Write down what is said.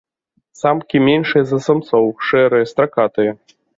Самкі меншыя за самцоў, шэрыя, стракатыя.